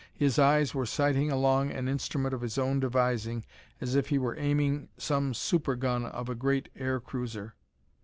His eyes were sighting along an instrument of his own devising as if he were aiming some super gun of a great air cruiser.